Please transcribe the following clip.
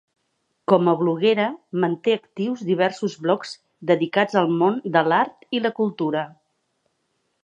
Com a bloguera, manté actius diversos blogs dedicats al món de l'art i la cultura.